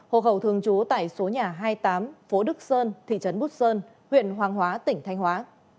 hộ khẩu thường trú tại số nhà hai mươi tám phố đức sơn thị trấn bút sơn huyện hoàng hóa tỉnh thanh hóa